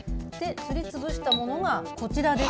すりつぶしたものがこちらです。